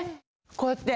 こうやって。